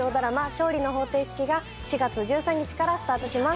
『勝利の法廷式』が４月１３日からスタートします。